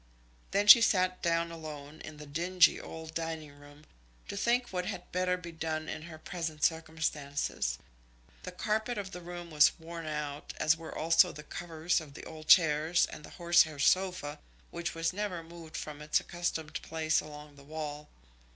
Then she sat down alone in the dingy old dining room, to think what had better be done in her present circumstances. The carpet of the room was worn out, as were also the covers of the old chairs and the horsehair sofa which was never moved from its accustomed place along the wall.